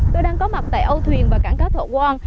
tôi đang có mặt tại âu thuyền và cảng cá thọ quang